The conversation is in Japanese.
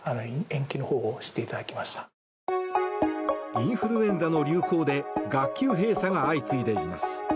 インフルエンザの流行で学級閉鎖が相次いでいます。